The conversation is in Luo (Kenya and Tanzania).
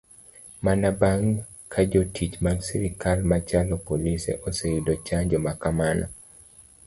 Mana bang kajotich mag sirikal machalo polise oseyudo chanjo makamano.